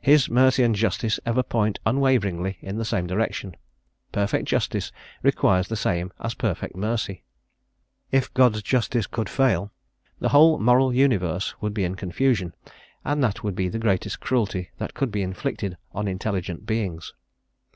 His mercy and justice ever point unwaveringly in the same direction: perfect justice requires the same as perfect mercy. If God's justice could fail, the whole moral universe would be in confusion, and that would be the greatest cruelty that could be inflicted on intelligent beings.